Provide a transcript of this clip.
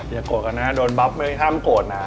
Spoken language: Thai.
โกรธกันนะโดนบ๊อบไม่ได้ห้ามโกรธนะ